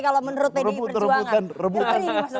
kalau menurut pdi perjuangan